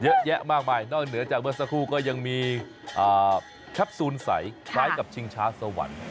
เยอะแยะมากมายนอกเหนือจากเมื่อสักครู่ก็ยังมีแคปซูลใสคล้ายกับชิงช้าสวรรค์